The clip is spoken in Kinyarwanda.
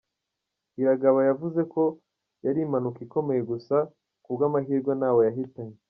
Iragaba yavuze ko yari impanuka ikomeye gusa kubw’amahirwe ntawe yahitanye.